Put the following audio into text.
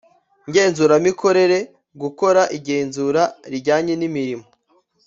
ngenzuramikorere gukora igenzura rijyanye n’imirimo